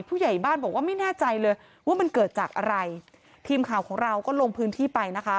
ผู้ใหญ่บ้านบอกว่าไม่แน่ใจเลยว่ามันเกิดจากอะไรทีมข่าวของเราก็ลงพื้นที่ไปนะคะ